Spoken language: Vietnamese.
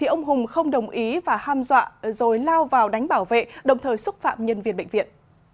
ông hùng không đồng ý và ham dọa rồi lao vào đánh bảo vệ đồng thời xúc phạm nhân viên bệnh viện